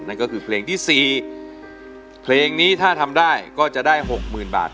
นั่นก็คือเพลงที่๔เพลงนี้ถ้าทำได้ก็จะได้๖๐๐๐บาท